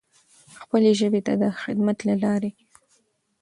خپلې ژبې ته د خدمت له لارې.